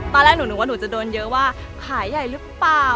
ตอนแรกหนูนึกว่าหนูจะโดนเยอะว่าขายใหญ่หรือเปล่า